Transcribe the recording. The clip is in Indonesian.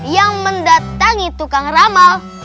yang mendatangi tukang ramal